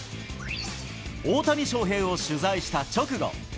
大谷翔平を取材した直後。